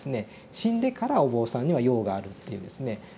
「死んでからお坊さんには用がある」っていうですね